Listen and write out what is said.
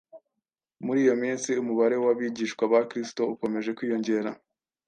Muri iyo minsi umubare w’abigishwa ba Kristo ukomeje kwiyongera,